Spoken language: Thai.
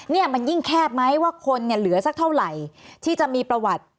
เนี่ยมันยิ่งแคบไหมว่าคนเนี่ยเหลือสักเท่าไหร่ที่จะมีประวัติ